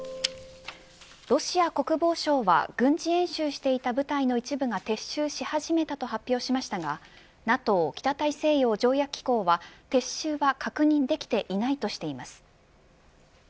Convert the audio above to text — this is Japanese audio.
ロシア国防省は軍事演習していた部隊の一部が撤収し始めたと発表しましたがＮＡＴＯ北大西洋条約機構は撤収は確認できていないとしています。